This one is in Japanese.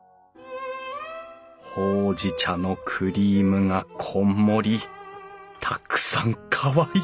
ほうじ茶のクリームがこんもりたくさんかわいい！